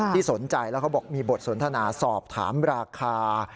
ที่สนใจแล้วเขาบอกมีบทสนทนาสอบถามราคา